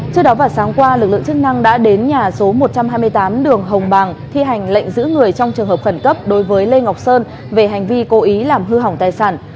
trước đó vào sáng qua lực lượng chức năng đã đến nhà số một trăm hai mươi tám đường hồng bàng thi hành lệnh giữ người trong trường hợp khẩn cấp đối với lê ngọc sơn về hành vi cố ý làm hư hỏng tài sản